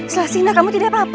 selasina kamu tidak apa apa